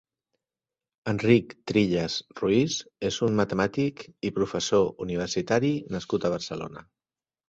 Enric Trillas Ruiz és un matemàtic i professor universitari nascut a Barcelona.